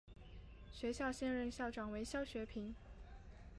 学校现任校长为肖学平。